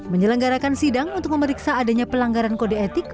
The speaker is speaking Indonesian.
menyelenggarakan sidang untuk memeriksa adanya pelanggaran kode etik